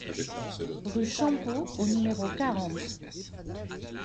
Rue Champeaux au numéro quarante